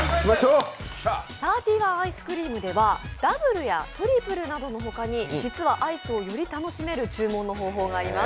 サーティワンアイスクリームではダブルやトリプルなどのほかに実はアイスをより楽しめる注文の方法があります。